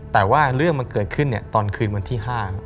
แต่ว่าเรื่องมันเกิดขึ้นตอนคืนวันที่๕